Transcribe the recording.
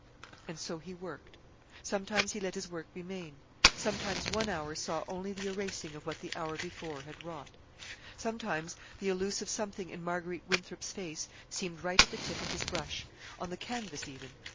And so he worked. Sometimes he let his work remain. Sometimes one hour saw only the erasing of what the hour before had wrought. Sometimes the elusive something in Marguerite Winthrop's face seemed right at the tip of his brush on the canvas, even.